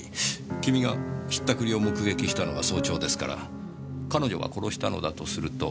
君が引ったくりを目撃したのは早朝ですから彼女が殺したのだとすると。